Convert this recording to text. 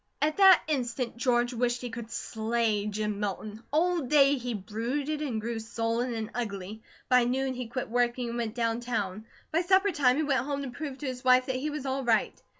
At that instant George wished he could slay Jim Milton. All day he brooded and grew sullen and ugly. By noon he quit working and went down town. By suppertime he went home to prove to his wife that he was all right.